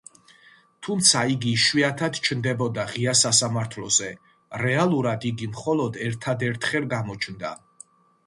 თუმცა, იგი იშვიათად ჩნდებოდა ღია სასამართლოზე; რეალურად, იგი მხოლოდ ერთადერთხელ გამოჩნდა.